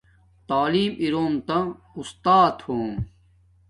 تعلیم اروم تا استات ہوم